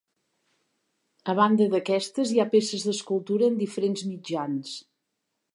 A banda d'aquestes hi ha peces d'escultura en diferents mitjans.